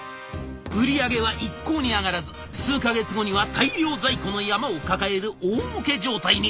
売り上げは一向に上がらず数か月後には大量在庫の山を抱える大コケ状態に。